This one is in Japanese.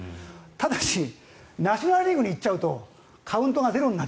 ただし、ナショナル・リーグにいっちゃうとカウントがゼロになる。